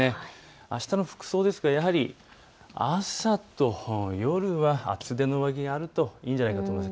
あしたの服装ですがやはり朝と夜は厚手の上着があるといいんじゃないかと思います。